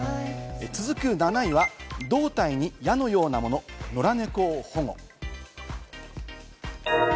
続く７位は胴体に矢のようなもの、野良猫を保護。